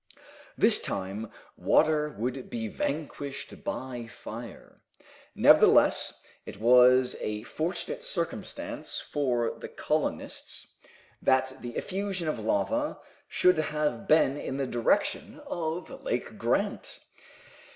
This time water would be vanquished by fire. Nevertheless it was a fortunate circumstance for the colonists that the effusion of lava should have been in the direction of Lake Grant.